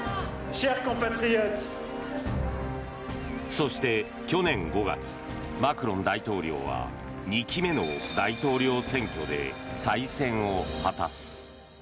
そして、去年５月マクロン大統領は２期目の大統領選挙で再選を果たす。